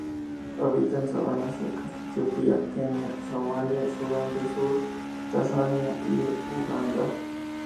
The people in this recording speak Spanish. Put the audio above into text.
Habita en sabanas secas de Etiopía, Kenia, Somalia, Sudán del Sur, Tanzania y Uganda.